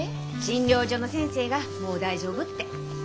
診療所の先生がもう大丈夫って。